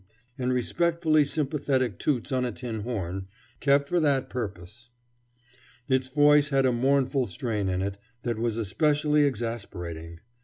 and respectfully sympathetic toots on a tin horn, kept for that purpose. Its voice had a mournful strain in it that was especially exasperating.